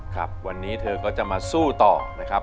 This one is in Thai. ครับวันนี้เธอก็จะมาสู้ต่อนะครับ